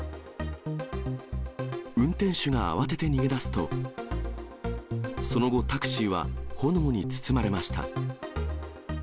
運転手が慌てて逃げ出すと、その後、タクシーは炎に包まれました。